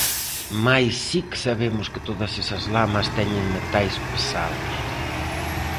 Mais si que sabemos que todas esas lamas teñen metais pasados.